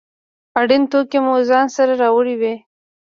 اړین توکي مو ځان سره راوړي وي.